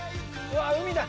うわ海だ！